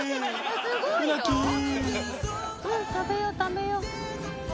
うん食べよう食べよう。